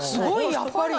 やっぱり。